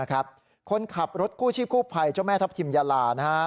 คนขับรถคู่ชีพคู่ภัยเจ้าแม่ทัพธิมยาลานะฮะ